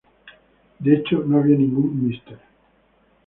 De hecho, no había ningún "Mr.